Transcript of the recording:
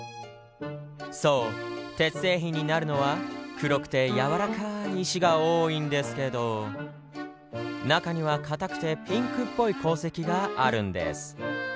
ソウ鉄製品になるのは黒くてやわらかい石が多いんデスケド中には硬くてピンクっぽい鉱石がアルンデス。